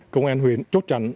công an huyện trốt trạnh